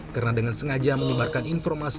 karena dengan sengaja menyebarkan informasi